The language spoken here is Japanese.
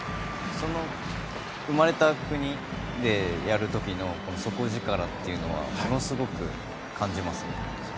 生まれた国でやる時の底力というのはものすごく感じますよね。